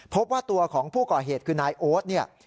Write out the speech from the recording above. พบว่าตัวของผู้ก่อเหตุคือนายโอ๊ตเนี่ย